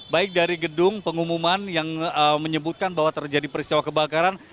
baik dari gedung pengumuman yang menyebutkan bahwa terjadi peristiwa kebakaran